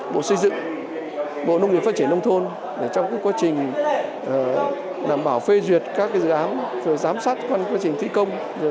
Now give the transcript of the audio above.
bộ xây dựng bộ nông nghiệp phát triển nông thôn trong quá trình đảm bảo phê duyệt các dự án giám sát quá trình thi công